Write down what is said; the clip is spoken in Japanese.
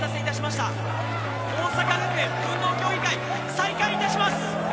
桜咲学園運動競技会再開いたします。